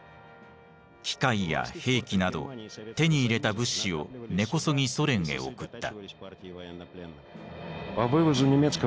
機械や兵器など手に入れた物資を根こそぎソ連へ送った。